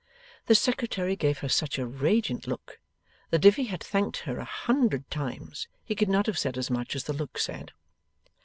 The Secretary gave her such a radiant look, that if he had thanked her a hundred times, he could not have said as much as the look said.